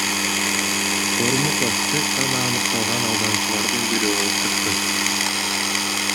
Ормуков тек гана аныкталган алдамчылардын бири болуп чыкты.